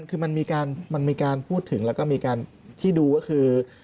คือมันมีการพูดถึงแล้วก็มีการที่ดูก็คือ